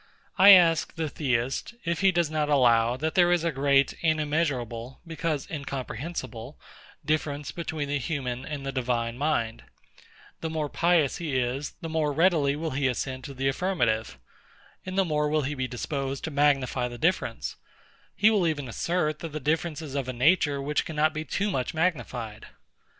I ask the Theist, if he does not allow, that there is a great and immeasurable, because incomprehensible difference between the human and the divine mind: The more pious he is, the more readily will he assent to the affirmative, and the more will he be disposed to magnify the difference: He will even assert, that the difference is of a nature which cannot be too much magnified.